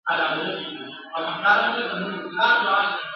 په سلو کي سل توافق موجود وي !.